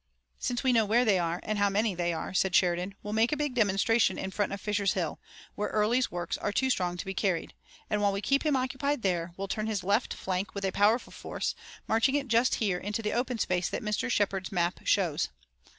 "Since we know where they are and how many they are," said Sheridan, "we'll make a big demonstration in front of Fisher's Hill, where Early's works are too strong to be carried, and while we keep him occupied there we'll turn his left flank with a powerful force, marching it just here into the open space that Mr. Shepard's map shows.